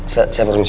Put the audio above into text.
saya saya berpuncit